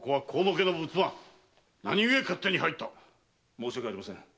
申し訳ありません。